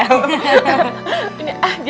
berangkat ya bukannya